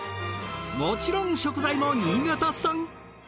もちろん食材も新潟産。